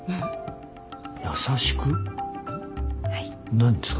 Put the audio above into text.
何ですか？